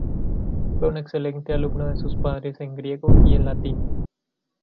Fue un excelente alumno de sus padres en griego y en latín.